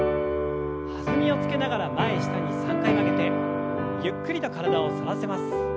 弾みをつけながら前下に３回曲げてゆっくりと体を反らせます。